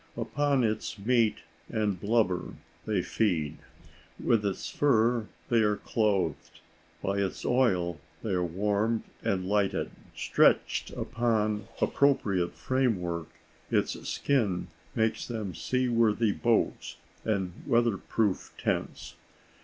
Upon its meat and blubber they feed. With its fur they are clothed. By its oil they are warmed and lighted. Stretched upon appropriate framework, its skin makes them sea worthy boats and weather proof tents.